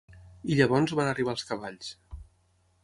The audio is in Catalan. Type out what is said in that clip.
I llavors van arribar els cavalls.